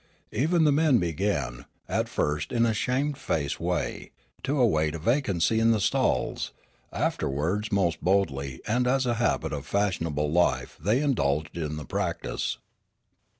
Even the men began, at first in a shamefaced way, to await a vacancy in the stalls, afterwards most boldl}' and as a habit of fashionable life they indulged in the practice.